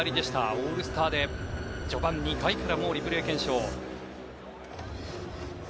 オールスターで序盤２回からリプレイ検証。